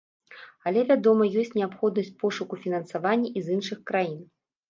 Але, вядома, ёсць неабходнасць пошуку фінансавання і з іншых краін.